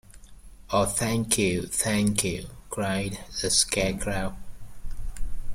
Oh, thank you — thank you! cried the Scarecrow.